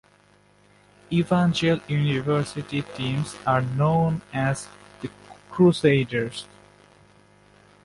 Evangel University teams are known as the Crusaders.